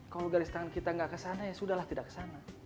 kalau garis tangan kita nggak kesana ya sudah lah tidak kesana